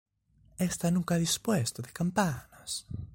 Ésta nunca ha dispuesto de campanas.